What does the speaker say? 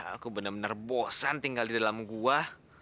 aku bener bener bosan tinggal di dalam gua